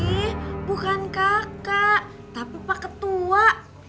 ini bukan kakak tapi pak ketua